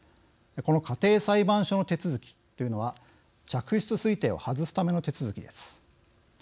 この家庭裁判所の手続きというのは嫡出推定を外すための手続きです。